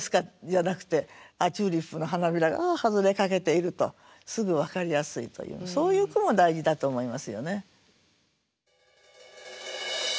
じゃなくてチューリップの花びらが外れかけているとすぐ分かりやすいというそういう句も大事だと思いますよね。